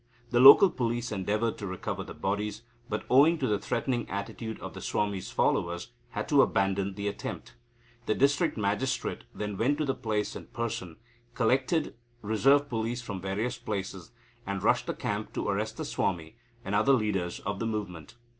The local police endeavoured to recover the bodies, but, owing to the threatening attitude of the Swami's followers, had to abandon the attempt. The district magistrate then went to the place in person, collected reserve police from various places, and rushed the camp to arrest the Swami and the other leaders of the movement.